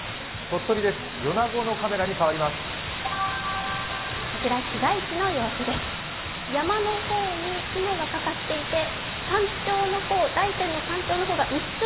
鳥取です、米子のカメラに変わります。